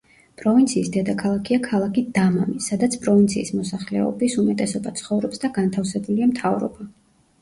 პროვინციის დედაქალაქია ქალაქი დამამი, სადაც პროვინციის მოსახლეობის უმეტესობა ცხოვრობს და განთავსებულია მთავრობა.